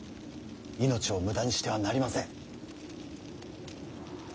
命を無駄にしてはなりません。